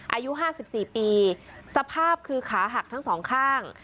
อายุ๕๔ปีสภาพคือขาหักทั้งสองข้าง